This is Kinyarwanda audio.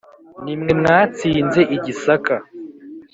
ni mwe mwatsinze i gisaka